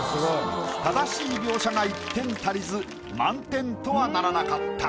正しい描写が１点足りず満点とはならなかった。